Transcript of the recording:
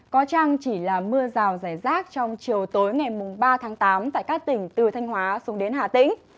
có chăng chỉ là mưa rào rải rác trong chiều tối ngày ba tháng tám tại các tỉnh từ thanh hóa xuống đến hà tĩnh